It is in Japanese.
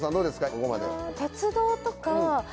ここまで。